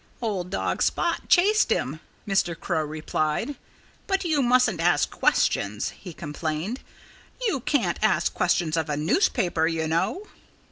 "Old dog Spot chased him," Mr. Crow replied. "But you mustn't ask questions," he complained. "You can't ask questions of a newspaper, you know."